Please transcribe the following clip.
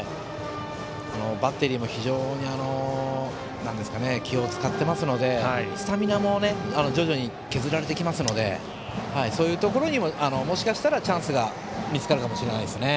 バッテリーも非常に気を使ってますのでスタミナも徐々に削られてきますのでそういうところにももしかしたらチャンスが見つかるかもしれないですね。